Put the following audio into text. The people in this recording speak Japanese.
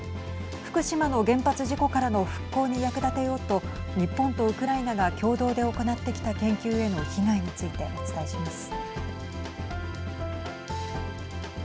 福島の原発事故からの復興に役立てようと日本とウクライナが共同で行ってきた研究への被害についてお伝えします。